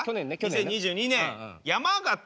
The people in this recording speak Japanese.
２０２２年山形で。